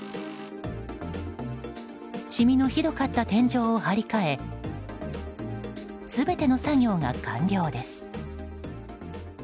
しみのひどかった天井を貼り替え全ての作業が完了です。